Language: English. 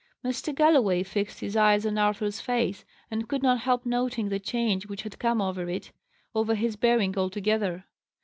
Mr. Galloway fixed his eyes on Arthur's face and could not help noting the change which had come over it, over his bearing altogether.